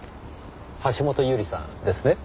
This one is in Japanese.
橋本百合さんですね？